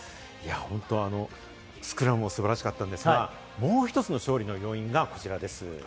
スクラムも素晴らしかったんですが、もう１つの勝利の要因がこちらです。